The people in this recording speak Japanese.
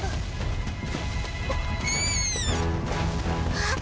あっ！